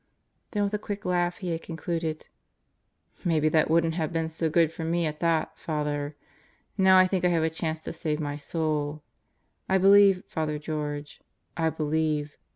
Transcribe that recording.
Then with a quick laugh he had concluded: "Maybe that wouldn't have been so good for me at that, Father. Now I think I have a chance to save my soul. I believe, Father George. I believe.